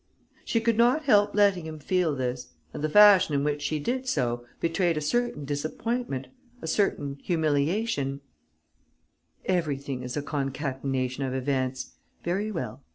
She could not help letting him feel this; and the fashion in which she did so betrayed a certain disappointment, a certain humiliation: "Everything is a concatenation of events: very well.